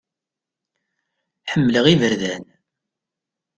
Ḥemmleɣ iberdan.